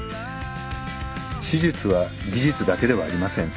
手術は技術だけではありません。